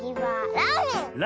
ラーメン！